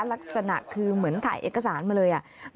ลักษณะคือเหมือนถ่ายเอกสารมาเลย